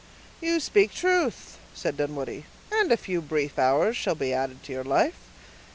"You speak truth," said Dunwoodie; "and a few brief hours shall be added to your life.